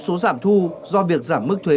số giảm thu do việc giảm mức thuế